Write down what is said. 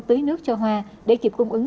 tưới nước cho hoa để kịp cung ứng